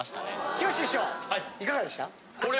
きよし師匠いかがでした？